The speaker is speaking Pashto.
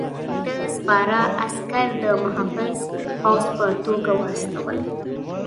ده سپاره عسکر د محافظ پوځ په توګه واستول.